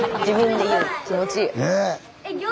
気持ちいい。